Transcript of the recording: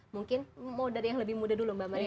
mungkin mau dari yang lebih muda dulu mbak maria